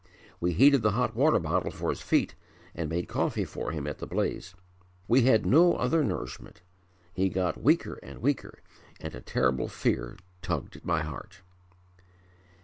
We heated the hot water bottle for his feet, and made coffee for him at the blaze; we had no other nourishment. He got weaker and weaker, and a terrible fear tugged at my heart.